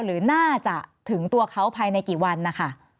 หรือน่าจะถึงตัวเขาภายในกี่วันนะคะ